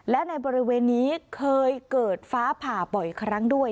และในบริเวณนี้เคยเกิดฟ้าผ่าบ่อยครั้งด้วย